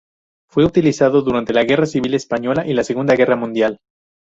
Fue utilizado durante la Guerra Civil Española y la Segunda Guerra Mundial.